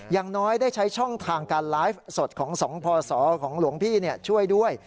อย่างน้อยได้ใช้ช่องทางการไลฟ์สดของ๒พศของหลวงพี่ช่วยด้วย